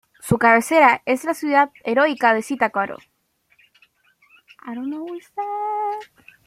Su cabecera es la ciudad de Heroica Zitácuaro.